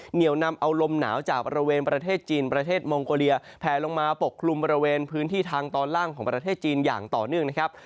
เหนียวนำเอาลมหนาวจากบริเวณประเทศจีนประเทศมองโกเลียแพลลงมาปกคลุมบริเวณพื้นที่ทางตอนล่างของประเทศจีนอย่างต่อเนื่องนะครับ